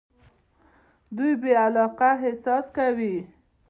دوی بې علاقه احساس کوي.